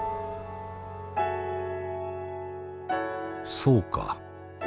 そうか。